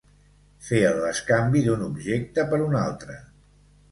Fer el bescanvi d'un objecte per un altre.